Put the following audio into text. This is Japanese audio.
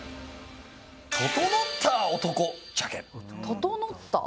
「ととのったぁ」？